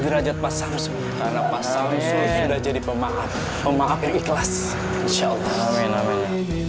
derajat pasang sementara pasang sudah jadi pemaaf pemaaf ikhlas insyaallah amin amin